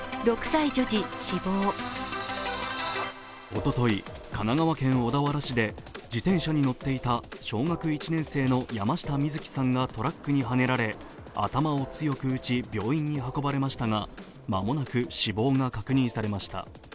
おととい、神奈川県小田原市で自転車に乗っていた小学１年生の山下瑞葵さんがトラックにはねられ、頭を強く打ち病院に運ばれましたがまもなく死亡が確認されました。